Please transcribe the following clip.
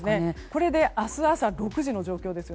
これで明日朝６時の状況です。